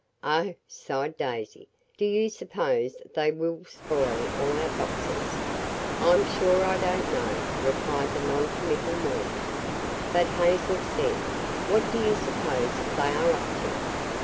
"Oh," sighed Daisy, "do you suppose they will spoil all our boxes?" "I'm sure I don't know," replied the noncommital Maud. But Hazel said: "What do you suppose they are up to?"